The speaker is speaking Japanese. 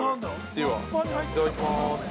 では、いただきます。